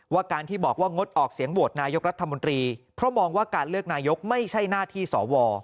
การที่บอกว่างดออกเสียงโหวตนายกรัฐมนตรีเพราะมองว่าการเลือกนายกไม่ใช่หน้าที่สว